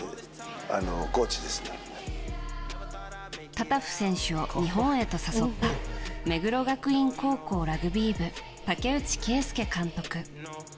タタフ選手を日本へと誘った目黒学院高校ラグビー部竹内圭介監督。